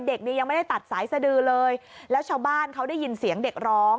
เด็กนี้ยังไม่ได้ตัดสายสดือเลยแล้วชาวบ้านเขาได้ยินเสียงเด็กร้อง